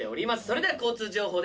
それでは交通情報です。